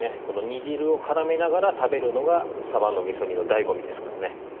この煮汁を絡めながら食べるのが鯖の味噌煮の醍醐味ですからね。